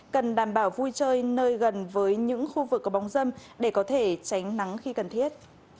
cần đảm bảo vui chơi nơi gần với những khu vực có bóng dâm để có thể tránh nắng khi cần thiết